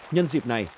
nhân dịp này